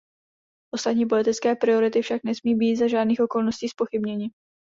Ostatní politické priority však nesmí být za žádných okolností zpochybněny.